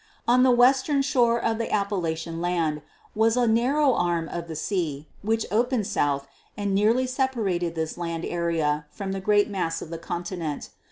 On the western shore of the Appalachian land was a narrow arm of the sea, which opened south and nearly separated this land area from the great mass of the continent.